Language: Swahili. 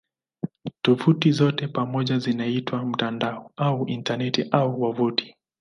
Tovuti zote pamoja zinaitwa "mtandao" au "Intaneti" au "wavuti".